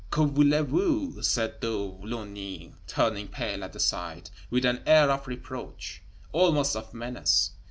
"Que voulez vous?" said De Launay, turning pale at the sight, with an air of reproach, almost of menace.